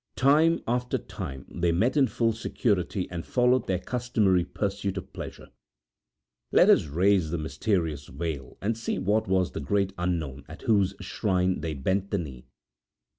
Time after time they met in full security and followed their customary pursuit of pleasure. Let us raise the mysterious veil and see what was the great Unknown at whose shrine they bent the knee..